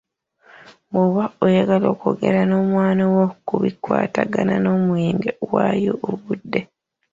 Bw’oba oyagala okwogera n’omwana wo ku bikwatagana n’omwenge waayo obudde.